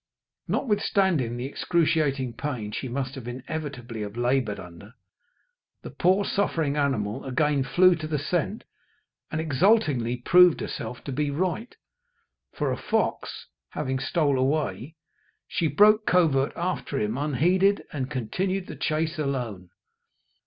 Notwithstanding the excruciating pain she must inevitably have laboured under, the poor suffering animal again flew to the scent, and exultingly proved herself to be right, for a fox having stole away, she broke covert after him unheeded, and continued the chase alone.